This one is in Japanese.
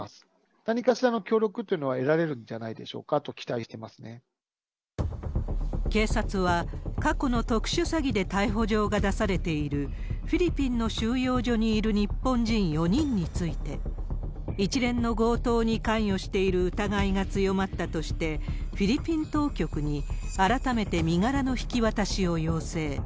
何かしらの協力っていうのは得られるんじゃないでしょうかと期待警察は、過去の特殊詐欺で逮捕状が出されている、フィリピンの収容所にいる日本人４人について、一連の強盗に関与している疑いが強まったとして、フィリピン当局に改めて身柄の引き渡しを要請。